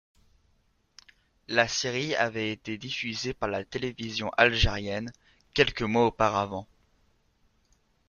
La série avait été diffusée par la télévision algérienne quelques mois auparavant.